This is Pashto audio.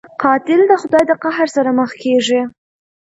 قاتل د خدای د قهر سره مخ کېږي